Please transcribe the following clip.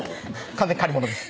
完全に借り物です